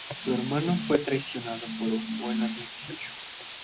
Su hermano fue traicionado por un buen amigo suyo.